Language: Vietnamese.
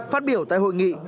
phát biểu tại hội nghị